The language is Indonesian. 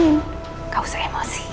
gak usah emosi